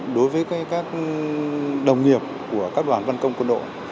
và được trao đổi kinh nghiệm đối với các đồng nghiệp của các đoàn văn công quân đội